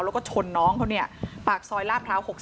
แล้วก็ชนน้องเขาเนี่ยปากซอยลาดพร้าว๖๓